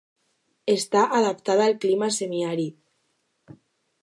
Està adaptada al clima semiàrid.